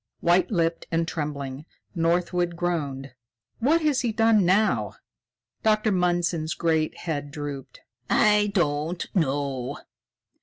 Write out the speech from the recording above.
White lipped and trembling, Northwood groaned: "What has he done now?" Dr. Mundson's great head drooped. "I don't know.